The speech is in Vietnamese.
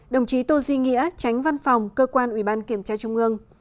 đồng chí tô duy nghĩa tránh văn phòng cơ quan ủy ban kiểm tra trung ương